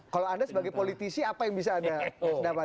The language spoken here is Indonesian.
kalau anda sebagai politisi apa yang bisa anda dapatkan